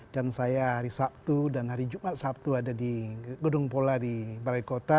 dan saya hari sabtu dan hari jumat sabtu ada di gedung pola di barai kota